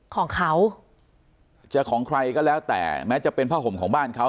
ของเขาจะของใครก็แล้วแต่แม้จะเป็นผ้าห่มของบ้านเขา